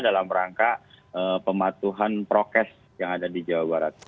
dalam rangka pematuhan prokes yang ada di jawa barat